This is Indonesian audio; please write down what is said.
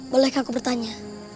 bolehkah aku bertanya